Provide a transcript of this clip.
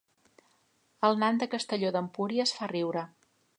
El nan de Castelló d'Empúries fa riure